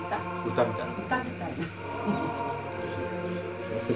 歌みたいな？